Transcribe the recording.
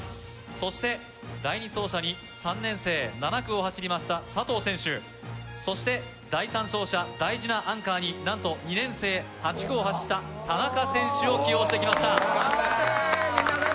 そして第２走者に３年生７区を走りました佐藤選手そして第３走者大事なアンカーに何と２年生８区を走った田中選手を起用してきました・頑張ってーみんな頑張っ